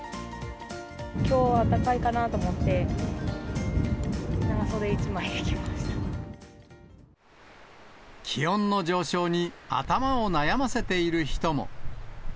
きょうはあったかいかなと思って、気温の上昇に頭を悩ませている人も。